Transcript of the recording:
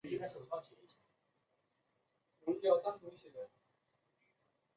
西康省藏族自治区人民政府在康定为其召开了追悼会。